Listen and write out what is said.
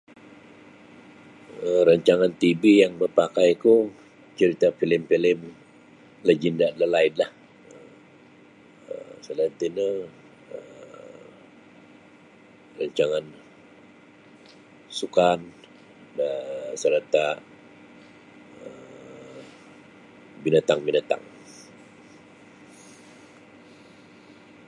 um Rancangan tv yang mapakaiku carita' filem-filem lejenda dalaidlah um selain tino um rancangan sukan da sarata' um binatang-binatang.